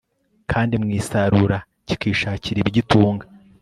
Kandi mu isarura kikishakira ibigitunga